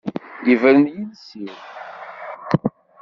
Ibren yiles-iw.